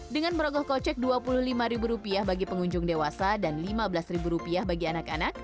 dengan merogoh kocek rp dua puluh lima bagi pengunjung dewasa dan rp lima belas bagi anak anak